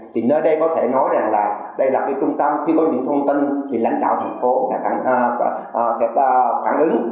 thì nơi đây có thể nói rằng là đây là cái trung tâm khi có những thông tin thì lãnh đạo thành phố sẽ phản ứng